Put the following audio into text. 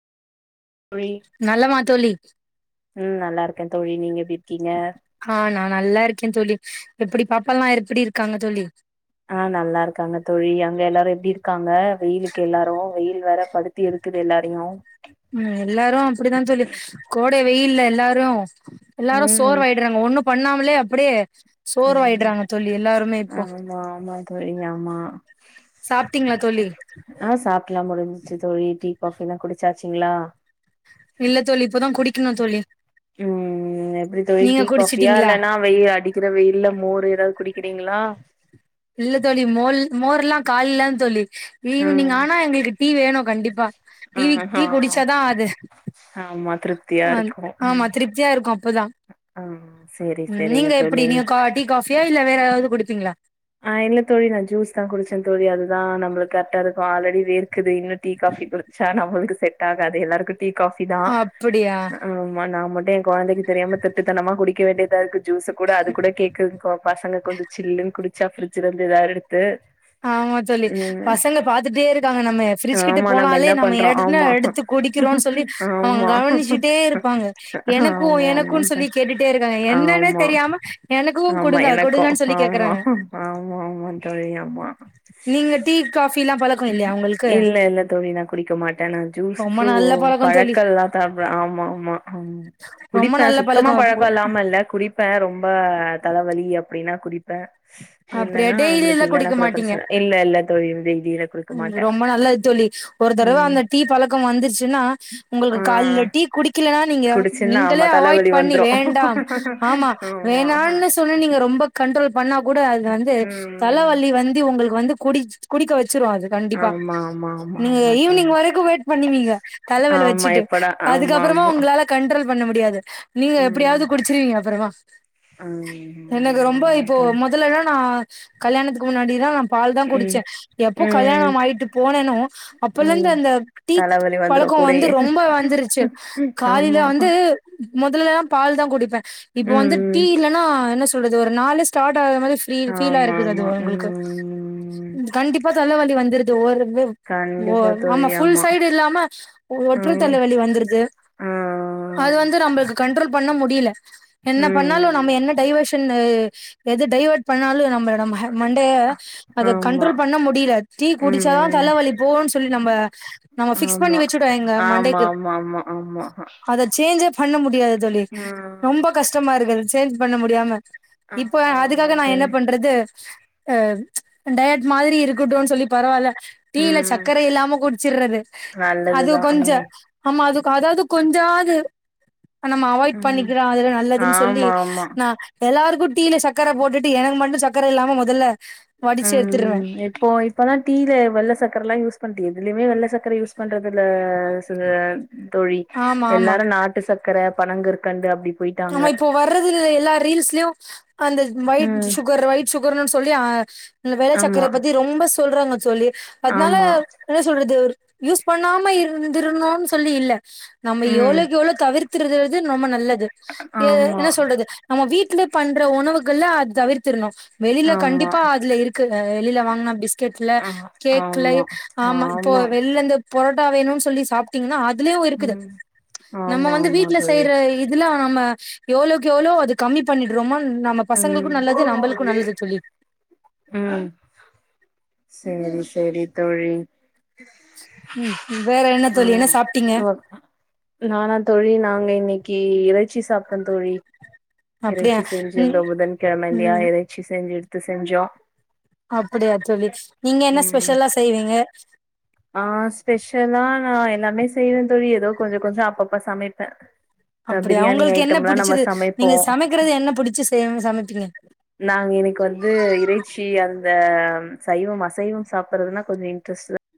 தோழி நலமா தோழி ம் நல்லா இருக்கே தோழி நீங்க எப்டி இருக்கீங்க ஹா நா நல்லா இருக்கே தோழி எப்டி பாப்பா எல்லா எப்டி இருக்காங்க தோழி ஆ நல்லாருக்காங்க தோழி அங்க எல்லாரு எப்டி இருக்காங்க வெயிலுக்கு எல்லாரு வெயில் வேற படுத்தி எடுக்குது எல்லாரையு ம் எல்லாரு அப்டிதா தோழி கோடை வெயில்ல எல்லாரு எல்லாரு ம் சோர்வாய்ட்றாங்க ஒண்ணு பண்ணாமலேயே அப்டியே ம் சோர்வாய்ட்றாங்க தோழி எல்லா ஆமா ஆமா தோழி ஆமா சாப்ட்டீங்களா தோழி ஆ சாப்டெல்லா முடிஞ்சிச்சி தோழி டீ காஃபி எல்லா குடிச்சாச்சிங்ளா இல்ல தோழி இப்பதா குடிக்கனு தோழி ம் எப்டி தோழி நீங்க டீ காஃபியா குடிச்சிட்டீங்களா இல்லனா வெயில் அடிக்கிற வெயில்ல மோரு எதாவது குடிக்கிறீங்ளா இல்ல தோழி மோல் மோர் எல்லா கால்ல தோழி ஈவ்னிங் ம் ஆனா எங்களுக்கு டீ வேனு கண்டிப்பா டீவி டீ ஆஹா குடிச்சாதா ஆது ஆமா திருப்தியா ஆ இருக்கு ஆமா ம் திருப்தியா இருக்கு இப்பதா ஆ சேரி சேரிங்க நீங்க எப்டி தோழி நீங்க கா டீ காஃபியா இல்ல வேற எதாவது குடிப்பீங்ளா ஆ இல்ல தோழி நா ஜூஸ் தா குடிச்ச தோழி அதுதா நம்முளுக்கு கர்டாருக்கு ஆல்ரெடி வேர்க்குது இன்னு டீ காஃபி குடிச்சா நம்முளுக் கு செட்டாகாதே எல்லாருக்கு டீ காஃபி தா அப்டியா அ வ நா மட்டு எ கொழந்தைக்கு தெரியாம திருட்டுத்தனமா குடிக்க வேண்டியதாருக்கு ஜூஸ கூட அது கூட கேக்குதுங்கா பசங்க கொஞ்ச ஜில்லுன் குடிச்சா ஃபிரிட்ஜிலர்ந்து எதாவது எடுத்து ஆமா தோழி ம் பசங்க பாத்துட்டே இருக்காங்க நம்ம ஃபிரிட்ஜ் கிட்ட ஆமா போனாலே என்ன நம்ம பண்றோ எதுனா ஆமா எடுத்து கு குடிக்கிறோன் சொல்லி அவுங்க ஆமா கவனிச்சிட்டே இருப்பாங்க எனக்கு ஆமா ஆமா எனக்குன் சொல்லி தோழி கேட்டுட்டே இருக்காங்க என்னனே ஆமா தெரியாம எனக்கு ஆமா குடுங்க எனக்கு குடுங்கன்னு சொல்லி ஆமா கேக்குறாங்க ஆமா ஆமா தோழி ஆமா நீங்க டீ காஃபில்லா பழக்கோ இல்லையா உங்களுக்கு இல்ல இல்ல தோழி நா குடிக்க மாட்டே நா ஜூஸ் ரொம்ப ப்ரூ நல்ல பழக்கோ தோழி பழக்க எல்லா தா ப்ரா ஆமா ஆமா அம் ரொம்ப குடிப்பே நல்ல சுத்தமா பழக்கோ இல்லாம இல்ல குடிப்ப அ ரொம்ப தலவலி அப்டினா குடிப்பே அப்டியா இல்லனா நம்மளுக்கு டெய்லில்லா இல்லனா குடிக்க கூட மாட்டீங்க பிரச்சன இல்ல இல்ல தோழி என்னுடைய இதியே நா குடுக்க ம் மாட்ட ரொம்ப நல்லது தோழி ஒரு தரவ அந்த டீ பழக்கோ வந்துருச்சுனா உங்களுக்கு ஆ கால்ல டீ குடிக்கலனா நீங்க குடிச்சன்னா ஆமா நீங்களே அவாய்ட் தலவலி பண்ணி வந்துரு வேண்டாம் ஆமா வேணானு சொன்ன நீங்க ரொம்ப க ன்ட்ரோல் பண்ணா கூட அது வந்து ம் தலவலி வந்தி உங்களுக்கு வந்து குடிச் குடிக்க வச் சிரு அது கண்டிப்பா ஆமா ஆமா ஆமா நீங்க எ ஆமா தோழி. ஈவ்னிங் வரைக்கு வெயிட் பண்ணுவீக தலவலி ஆமா வச்சிட்டு எப்படா ஆமா அதுக்கப்றமா ஆமா உங்களால கண்ட்ரோல் பண்ண முடியாது நீங்க எப்டியாவது குடிச்சிருவீங்க அப்புறமா ஆ ஆமா ஆமா தா இல்ல நா கல்யாணத்துக்கு முன்னாடி தா நா பால் தா குடிச்ச ம் எப்போ ம் ம் கல்யாணமாயிட்டு போனேனோ அப்பலந்து அந்த டீ தலவலி வந்துரு பழக் கோ வந்து கூடயே ரொம்ப வந்துருச்சி காலில ஆமா வந்து மொதலெல்லா பால் தா குடிப்பே இப்ப ம் வந்து ம் டீ இல்லனா என்ன சொல்றது ஒரு நாளு ஸ்டாட் டா ஆகாத மாதிரி ஃபிரி ஃபீல்லா ஆமா இருக்குது அது ஆமா ஒங்களுக்கு ம் கண்டிப்பா தலவலி வந்துரி ஒ ஓ கண்டிப்பா ஆமா தோழி ஃபுல் சைடு இல்லாம ஒற்றை ம் தல வலி வந்துருது ஆ அது வந்து நம்மளுக்கு கண்ட்ரோல் பண்ண முடியில என்ன பண்ணாலு ம் நம்ம என்ன டைவர்ஷனே எது டைவட் பண்ணாலு நம்பள நம்ம ஹா மண்டைய அத ஆமா கண்ட்ரோல் பண்ண முடியில டீ குடிச்சாதா ம் தலவலி போன் சொல்லி நம்ப நம்ம ஃபிக்ஸ் பண்ணி ஆமா வச்சுட்டோ எங்க ஆமா மண்டைக்கு ஆமா ஆமா ஆமா அத சேஞ்சே பண்ண முடியாது தோழி ம் ரொம்ப கஷ்டமா இருக்குது சேஞ்ச் பண்ண முடியாம இப்பவே ஆமா ஆமா அதுக்காக நா என்ன தோழி பண்றது அ டயட் மாதிரி இருக்குட்டுன் சொல்லி பரவால்ல டீயில ம் சக்கர இல்லாம குடிச்சிர்றது அது நல்லதுதா கொஞ்சோ ம் ஆமா அது அதாவது கொஞ்சமாது நம்ம அவாய்ட் ம் பண்ணிக்கிறோ அதுல நல்லதுன் சொல்லி ஆமா ஆமா நா எல்லாருக்கு டீயில சக்கர போட்டுட்டு எனக்கு மட்டு சக்கர இல்லாம மொதல்ல வடிச்சு எடுத்துருவே ம் இப்போ இப்பதா டீயில வெள்ள சக்கர எல்லா யூஸ் பண்ட்டியே எதுலியுமே வெள்ள சக்கர யூஸ் பண்றது துல ச தோழி ஆமா ஆமா எல்லாரு நாட்டு சக்கர பனங் கற்கண்டு அப்டி ஆமா போயிட்டாங்க இப்போ வர்றதுல்ல எல்லா ரீல்ஸ்லியு அந்த வயட் ம் சுகர் வயிட் சுகர்னு சொல்லி இந்த வெள்ள ஆமா சக்கரைய பத்தி ரொம்ப சொல்றாங்க தோழி அதுனால ஆமா என்ன சொல்றது யூஸ் பண்ணாம இருந்துருனுனு சொல்லி இல்ல நம்ம ம் எவ்ளோக்கு எவ்ளோ தவிர் த்துறது ரொம்ப நல்லது எ ஆமா என்ன சொல்றது நம்ம வீட் ல பண்ற உணவுகள்ல அது தவிர்த்ரணு வெளில ஆமா கண்டிப்பா அதுல இருக்கு வெளில வாங்குனா பிஸ் கட்ல ஆ கேக்ல ஆமா ஆமா இப்போ வெளில இந்த பொரோட்டா வேணுனு சொல்லி சாப்ட்டீங்கன்னா அ துலயு இருக்குது ம் நம்ம ஆமா வந்து ஆமா வீட்ல தோழி செய்யுற இது நம்ம எவ்ளோக்கு எவ்ளோ அது கம்மி பண்ணிடுறோமோ நம்ம ம் பசங்களுக்கு நல்லது நம்மளுக்கு நல்லது தோழி செரி செரி தோழி ம் வேற என்ன தோழி என்ன சாப்ட்டீங்க ஆ நானா தோழி நாங்க இன்னைக்கு கி இறைச்சி சாப்டே தோழி அப்டியா இறைச்சி ம் செஞ்சிருந்தோ புதன் கிழமைல்லையா ம் இறைச்சி செஞ்சு எடுத்து செஞ்சோ அப்படியா சொல்லி நீங்க என்ன ம் ஸ்பெஷல்லா செய்வீங்க ஆ ஸ்பெஷலா நா எல்லாமே செய்வே தோழி எதோ கொஞ்சோ கொஞ்சோ அப்பப்ப சமைப்பே த அப்படியா பிரியாணி உங்களுக்கு என்ன ஐட்டம்லா நம்ம புடிச்சது சமைப்போ நீங்க சமைக்கிறது என்ன புடிச்சு செய் சமைப்பீங்க நாங்க இன்னைக்கு வந்து இறைச்சி அந்த சைவம் அசைவம் சாப்படுறதுனா கொஞ்சோ இன்ட்ரஸ்ட்தா